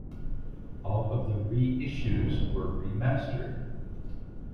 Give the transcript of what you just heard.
All of the reissues were remastered.